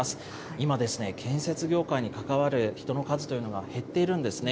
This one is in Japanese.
今ですね、建設業界に関わる人の数というのが減っているんですね。